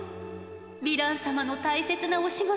ヴィラン様の大切なお仕事